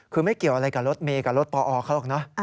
คือไม่เกี่ยวอะไรกับรถเมย์กับรถปอเขาหรอกเนอะ